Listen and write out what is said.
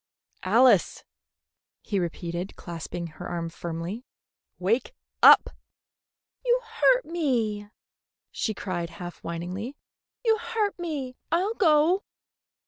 "Alice," he repeated, clasping her arm firmly, "wake up!" "You hurt me!" she cried half whiningly. "You hurt me! I'll go."